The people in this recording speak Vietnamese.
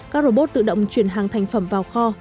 các robot tự động chuyển hàng thành phẩm vào kho